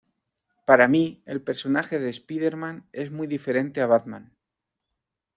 Para mí, el personaje de Spider-Man es muy diferente a Batman.